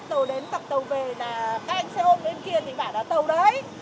thì bảo là tàu đấy